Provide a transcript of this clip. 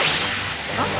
あっ？